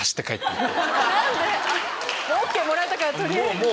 ＯＫもらえたから取りあえず。